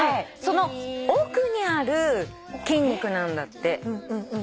その奥にある筋肉なんだって。